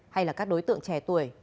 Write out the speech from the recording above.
hay là các đối tượng trẻ tuổi